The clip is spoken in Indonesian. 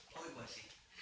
hai bu asi